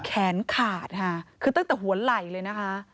แขนขาดค่ะคือตั้งแต่หัวไหล่เลยนะคะ